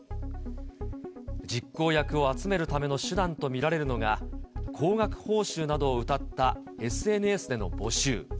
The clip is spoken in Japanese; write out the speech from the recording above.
実行役を集めるための手段と見られるのが、高額報酬などをうたったＳＮＳでの募集。